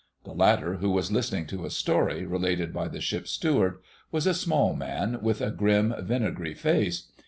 The latter, who was listening to a story related by the Ship's Steward, was a small man, with a grim vinegary face.